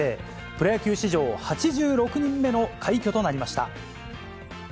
プロ野球史上８６人目の快挙となりました。